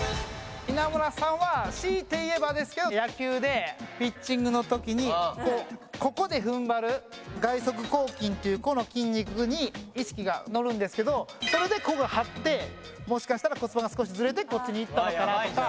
稲村さんは強いて言えばですけど野球でピッチングの時にこうここで踏ん張る外側広筋っていうこの筋肉に意識が乗るんですけどそれでここが張ってもしかしたら骨盤が少しずれてこっちに行ったのかなとか。